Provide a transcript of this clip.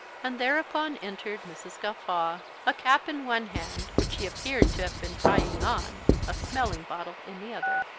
And thereupon entered Mrs. Gawffaw, a cap in one hand, which she appeared to have been tying on a smelling bottle in the other.